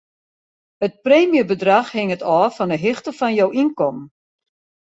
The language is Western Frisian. It preemjebedrach hinget ôf fan 'e hichte fan jo ynkommen.